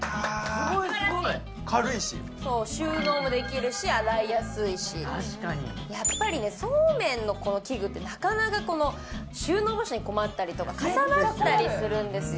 すごいすごい軽いしそう収納もできるし洗いやすいし確かにやっぱりねそうめんのこの器具ってなかなかこの収納場所に困ったりとかかさばったりするんですよ